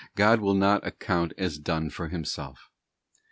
\ 4 nook God will not account as done for Himself.